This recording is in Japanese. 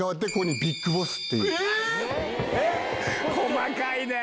細かいね！